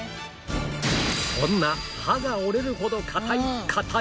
そんな歯が折れるほど硬いかた焼